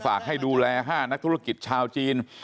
ให้ดูแล๕นักธุรกิจชาวจีน